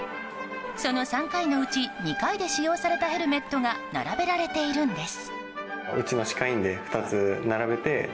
その３回のうち２回で使用されたヘルメットが並べられているんです。